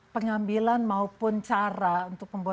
pengambilan maupun cara untuk membuat